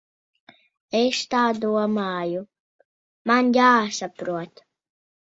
Es tā domāju. Man jāsaprot.